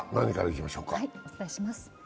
お伝えします。